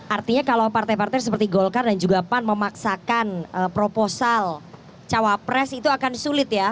artinya kalau partai partai seperti golkar dan juga pan memaksakan proposal cawapres itu akan sulit ya